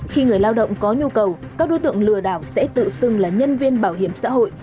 khi người lao động có nhu cầu các đối tượng lừa đảo sẽ tự xưng là nhân viên bảo hiểm xã hội